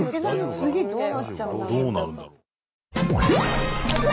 次どうなっちゃうんだろう？